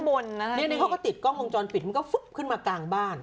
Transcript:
ไม่ขึ้นบนอ่ะอ่ะเค้าก็ติดกล้องวงจรปิดมันก็ฟึ๊บขึ้นมากลางบ้าน